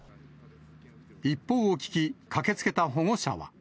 一報を聞き、駆けつけた保護者は。